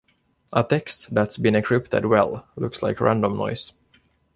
A text that’s been encrypted well looks like random noise.